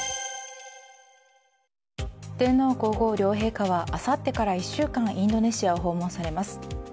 天皇・皇后両陛下はあさってから１週間インドネシアを訪問されます。